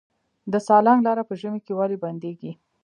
د سالنګ لاره په ژمي کې ولې بندیږي؟